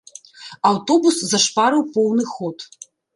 Аўтобус зашпарыў поўны ход.